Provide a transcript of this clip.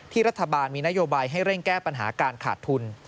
รัฐบาลมีนโยบายให้เร่งแก้ปัญหาการขาดทุน